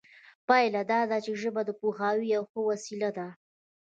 پایله دا ده چې ژبه د پوهاوي یوه ښه وسیله ده